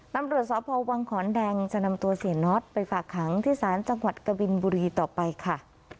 ตำรวจสพวังขอนแดงจะนำตัวเสียน็อตไปฝากขังที่ศาลจังหวัดกบินบุรีต่อไปค่ะ